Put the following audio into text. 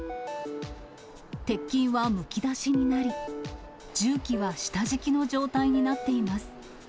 鉄筋はむき出しになり、重機は下敷きの状態になっています。